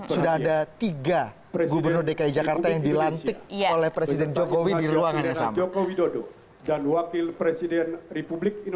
sudah ada tiga gubernur dki jakarta yang dilantik oleh presiden jokowi di ruang anies samp